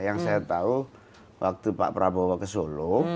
yang saya tahu waktu pak prabowo ke solo